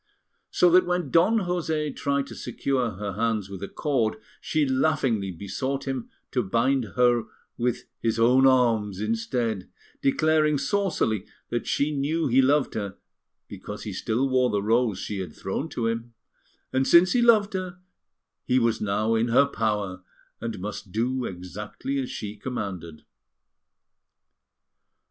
So that when Don José tried to secure her hands with a cord, she laughingly besought him to bind her with his own arms instead, declaring saucily that she knew he loved her because he still wore the rose she had thrown to him, and since he loved her he was now in her power, and must do exactly as she commanded.